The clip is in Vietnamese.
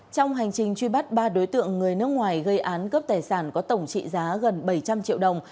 trong hành trình truy bắt ba đối tượng người nước ngoài gây án cướp tài sản có tổng trị giá gần bảy trăm linh triệu đồng